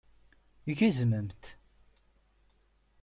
Gezmemt!